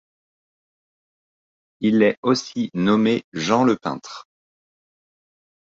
Il est aussi nommé Jean le peintre.